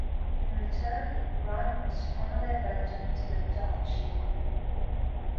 In return Run was formally abandoned to the Dutch.